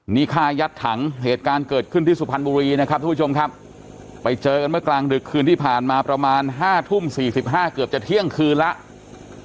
นี่ฆ่ายัดถังเหตุการณ์เกิดขึ้นที่สุพรรณบุรีนะครับทุกผู้ชมครับไปเจอกันเมื่อกลางดึกคืนที่ผ่านมาประมาณ๕ทุ่ม๔๕เกือบจะเที่ยงคืนแล้ว